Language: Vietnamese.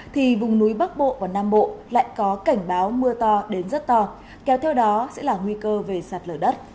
thì vùng núi bắc bộ và nam bộ lại có cảnh báo mưa to đến rất to kéo theo đó sẽ là nguy cơ về sạt lở đất